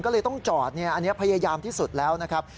ก็เลยต้องจอดอันนี้พยายามที่สุดแล้วนะครับ